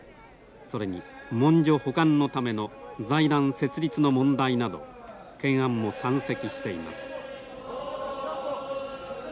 それに文書保管のための財団設立の問題など懸案も山積しています。